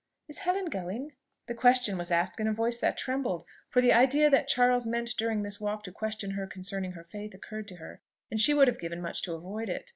"Is Helen going?" The question was asked in a voice that trembled; for the idea that Charles meant during this walk to question her concerning her faith occurred to her, and she would have given much to avoid it.